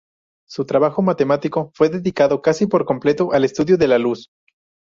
Su trabajo matemático fue dedicado casi por completo al estudio de la luz.